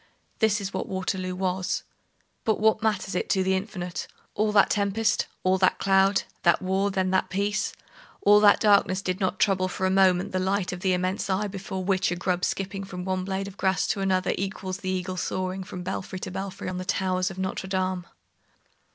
This is what Waterloo was. But what matters it to the Infinite? all that tempest, all that cloud, that war, then that peace? All that darkness did not trouble for a moment the light of that immense Eye before which a grub skipping from one blade of grass to another equals the eagle soaring from belfry to belfry on the towers of Notre Dame.